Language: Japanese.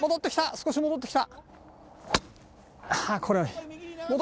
少し戻ってきた